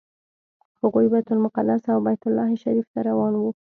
هغوی بیت المقدس او بیت الله شریف ته روان وو.